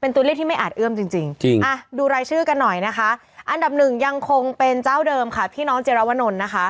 เป็นตัวเลขที่ไม่อาจเอื้อมจริงดูรายชื่อกันหน่อยนะคะอันดับหนึ่งยังคงเป็นเจ้าเดิมค่ะพี่น้องเจรวนลนะคะ